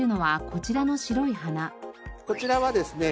こちらはですね